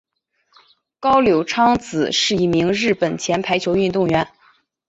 高柳昌子是一名日本前排球运动员。